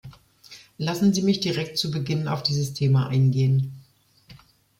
Lassen Sie mich direkt zu Beginn auf dieses Thema eingehen.